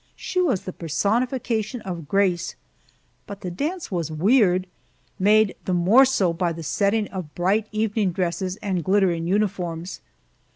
She was the personification of grace, but the dance was weird made the more so by the setting of bright evening dresses and glittering uniforms.